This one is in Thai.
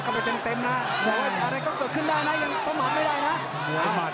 มันเต็มนะอะไรก็เกิดขึ้นได้นะยังต้องหักไม่ได้นะ